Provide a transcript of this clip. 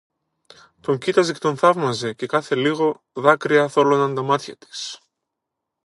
Τον κοίταζε και τον θαύμαζε, και, κάθε λίγο, δάκρυα θόλωναν τα μάτια της.